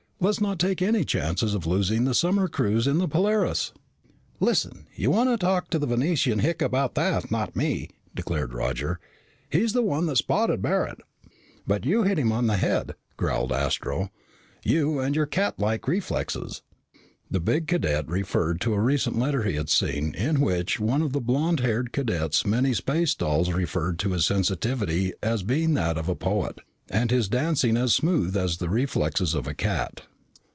Let's not take any chances of losing the summer cruise in the Polaris." "Listen! You want to talk to the Venusian hick about that, not me," declared Roger. "He's the one that spotted Barret." "But you hit him on the head," growled Astro. "You and your catlike reflexes." The big cadet referred to a recent letter he had seen in which one of the blond haired cadet's many space dolls referred to his sensitivity as being that of a poet, and his dancing as smooth as the reflexes of a cat.